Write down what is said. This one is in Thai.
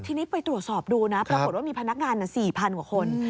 ทีนี้ไปตรวจสอบดูนะปรากฏว่ามีพนักงาน๔๐๐กว่าคน